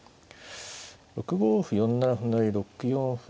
６五歩４七歩成６四歩。